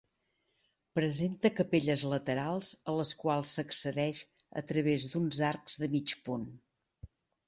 Presenta capelles laterals a les quals s'accedeix a través d'uns arcs de mig punt.